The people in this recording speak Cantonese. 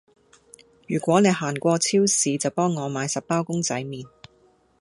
如果你行過超市就幫我買十包公仔麵